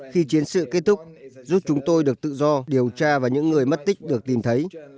khi chiến sự kết thúc giúp chúng tôi được tự do điều tra và những người mất tích được tìm thấy